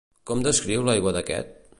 Com descriu l'aigua d'aquest?